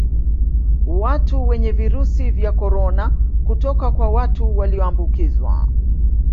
Watu wenye Virusi vya Corona kutoka kwa watu walioambukizwa